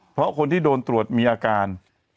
เพราะคนที่โดนตรวจมีอาการ